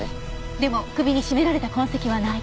でも首に絞められた痕跡はない。